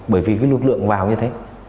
bởi vì cái lực lượng vào như thế